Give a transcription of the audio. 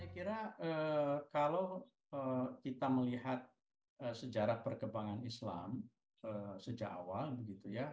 kalau kita melihat sejarah perkembangan islam sejak awal